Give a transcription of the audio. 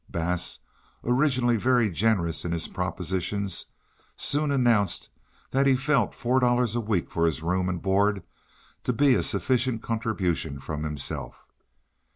Bass, originally very generous in his propositions, soon announced that he felt four dollars a week for his room and board to be a sufficient contribution from himself.